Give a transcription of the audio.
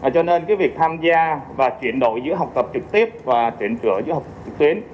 cho nên cái việc tham gia và chuyển đổi giữa học tập trực tiếp và chuyển trở giữa học trực tuyến